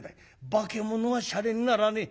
「化物はシャレにならねえ」。